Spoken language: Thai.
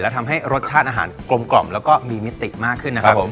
ทำให้รสชาติอาหารกลมกล่อมแล้วก็มีมิติมากขึ้นนะครับผม